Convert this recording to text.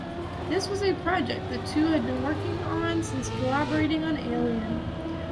This was a project the two had been working on since collaborating on "Alien".